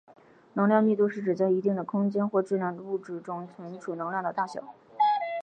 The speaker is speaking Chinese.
能量密度是指在一定的空间或质量物质中储存能量的大小。